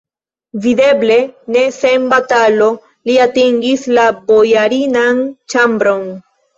Videble, ne sen batalo li atingis la bojarinan ĉambron.